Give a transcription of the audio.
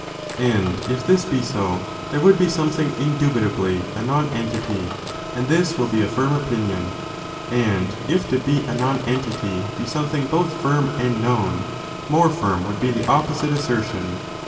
And if this be so, there would be something indubitably a non entity, and this will be a firm opinion ; and if to be a non entity be something both firm and known, more firm would be the opposite assertion.